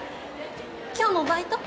今日もバイト？